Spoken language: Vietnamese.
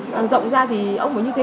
càng rộng ra thì ông ấy như thế